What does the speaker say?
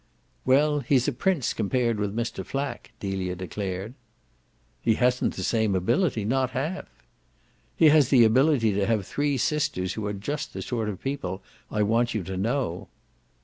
"Well, he's a prince compared with Mr. Flack," Delia declared. "He hasn't the same ability; not half." "He has the ability to have three sisters who are just the sort of people I want you to know."